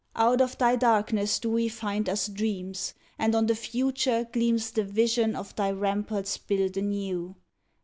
Out of thy darkness do we find us dreams, And on the future gleams The vision of thy ramparts built anew.